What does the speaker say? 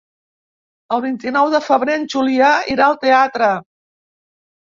El vint-i-nou de febrer en Julià irà al teatre.